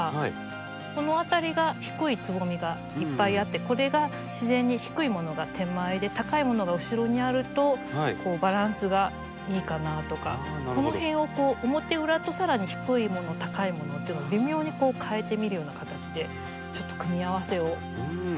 この辺りが低いつぼみがいっぱいあってこれが自然に低いものが手前で高いものが後ろにあるとバランスがいいかなとかこの辺をこう表裏とさらに低いもの高いものっていうのを微妙に変えてみるような形でちょっと組み合わせを見てみてください。